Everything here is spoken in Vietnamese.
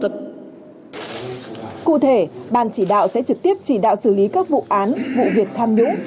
cụ thể ban chỉ đạo sẽ trực tiếp chỉ đạo xử lý các vụ án vụ việc tham nhũng